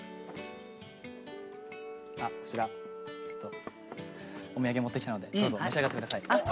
こちらちょっとお土産持ってきたのでどうぞ召し上がってください。